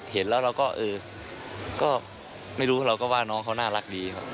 เห็นแล้วเราก็เออก็ไม่รู้เราก็ว่าน้องเขาน่ารักดีครับ